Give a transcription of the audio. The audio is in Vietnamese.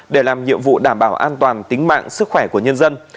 để làm nhiệm vụ đảm bảo an toàn tính mạng sức khỏe của nhân dân